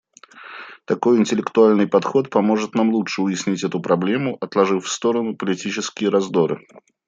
Такой интеллектуальный подход поможет нам лучше уяснить эту проблему, отложив в сторону политические раздоры.